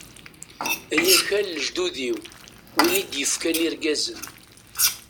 Ay akal n lejdud-iw, win i d-ifkan irgazen.